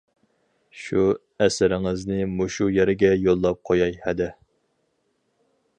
شۇ ئەسىرىڭىزنى مۇشۇ يەرگە يوللاپ قۇياي ھەدە.